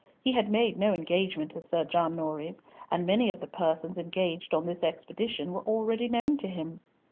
He had made no engagement to Sir John Norreys, and many of the persons engaged on this expedition were already known to him.